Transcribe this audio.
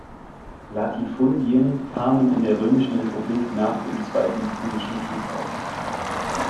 Latifundien kamen in der Römischen Republik nach dem Zweiten Punischen Krieg auf.